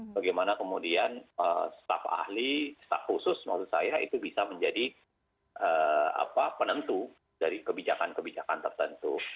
bagaimana kemudian staf ahli staf khusus maksud saya itu bisa menjadi penentu dari kebijakan kebijakan tertentu